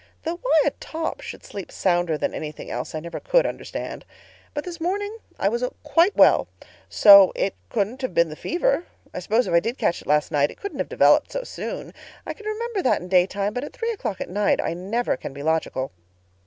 Though why a top should sleep sounder than anything else I never could understand. But this morning I was quite well, so it couldn't have been the fever. I suppose if I did catch it last night it couldn't have developed so soon. I can remember that in daytime, but at three o'clock at night I never can be logical.